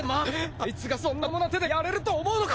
あいつがそんなまともな手でやれると思うのか！？